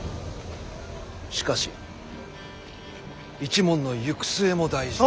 しかし一門の行く末も大事。